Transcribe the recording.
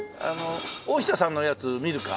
大下さんのやつ見るか？